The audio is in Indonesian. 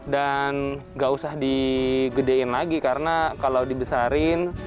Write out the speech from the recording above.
dan nggak usah digedein lagi karena kalau dibesarin